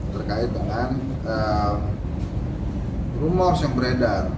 terkait dengan rumor yang beredar